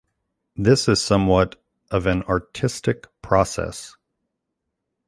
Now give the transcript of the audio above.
This is somewhat of an artistic process.